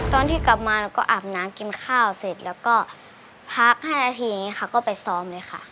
ตอนที่กลับมาเราก็อาบน้ำกินข้าวเสร็จแล้วก็พัก๕นาทีนี้ค่ะก็ไปซ้อมเลยค่ะ